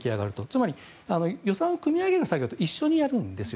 つまり予算を組み上げる作業と一緒にやるんです。